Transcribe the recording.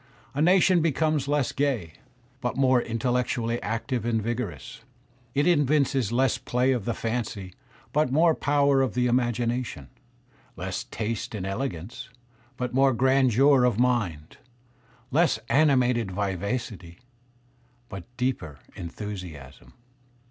A nation becomes less gay, but more intellectually active and vigorous. It evinces less play of the fancy, but more power of the imagination; less taste and elegance, but more grandeur of mind; less animated vivacity, but deeper enthusiasm.